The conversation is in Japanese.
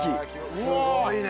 すごいね！